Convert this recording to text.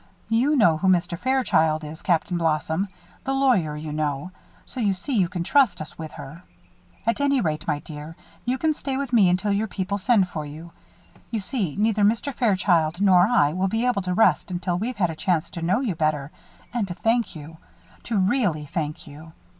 You know who Mr. Fairchild is, Captain Blossom the lawyer, you know so you see you can trust us with her. At any rate, my dear, you can stay with me until your people send for you. You see, neither Mr. Fairchild nor I will be able to rest until we've had a chance to know you better and to thank you to really thank you.